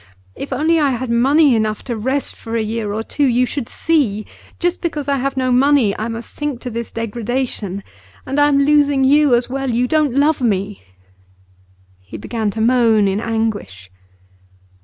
If only I had money enough to rest for a year or two, you should see. Just because I have no money I must sink to this degradation. And I am losing you as well; you don't love me!' He began to moan in anguish.